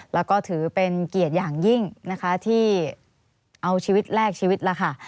แล้วก็ถือเป็นเกียรติอย่างยิ่งนะคะที่เอาชีวิตแรกชีวิตล่ะค่ะ